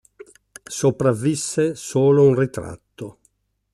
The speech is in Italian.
Sopravvisse solo un ritratto.